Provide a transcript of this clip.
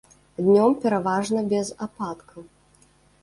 Днём пераважна без ападкаў.